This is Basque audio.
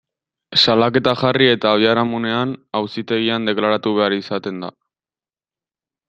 Salaketa jarri eta biharamunean, auzitegian deklaratu behar izaten da.